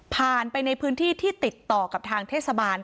ไปในพื้นที่ที่ติดต่อกับทางเทศบาล